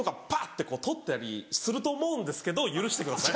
てこう取ったりすると思うんですけど許してください。